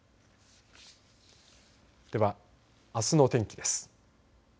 では、あすの天気です。